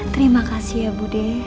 terima kasih ya bu de